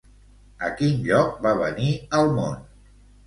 A quin lloc va venir al món?